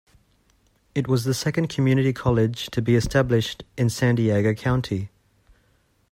It was the second community college to be established in San Diego County.